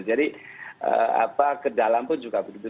jadi apa ke dalam pun juga begitu